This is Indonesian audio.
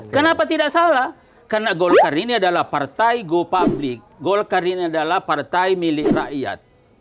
kenapa tidak salah karena golkar ini adalah partai go public golkar ini adalah partai milik rakyat